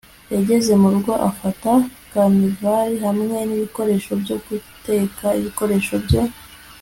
yageze murugo afata karnivali hamwe nibikoresho byo guteka, ibikoresho byo